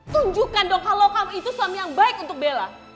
tunjukkan dong kalau kami itu suami yang baik untuk bella